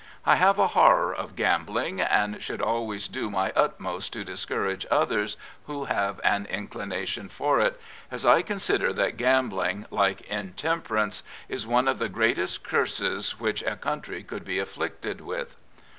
I have a horror of gambling, and should always do my utmost to discourage others who have an inclination for it, as I consider that gambling, like intemperance, is one of the greatest curses which a country could be afflicted with.